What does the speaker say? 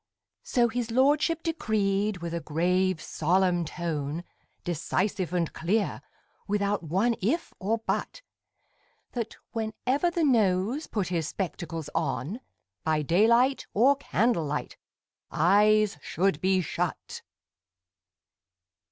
So his lordship decreed with a grave solemn tone, Decisive and clear, without one if or but That, whenever the Nose put his spectacles on, By daylight or candlelight Eyes should be shut!